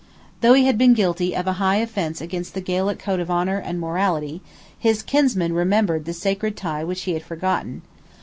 Though he had been guilty of a high offence against the Gaelic code of honour and morality, his kinsmen remembered the sacred tie which he had forgotten.